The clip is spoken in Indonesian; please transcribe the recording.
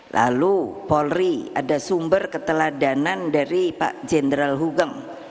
lalu polri ada sumber keteladanan dari pak jenderal hugeng